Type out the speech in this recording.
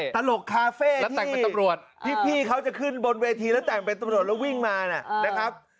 ตลกคาเฟ่ที่พี่เขาจะขึ้นบนเวทีแล้วแต่งเป็นตำรวจแล้ววิ่งมานะครับ